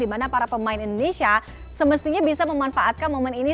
dimana para pemain indonesia semestinya bisa memanfaatkan momen ini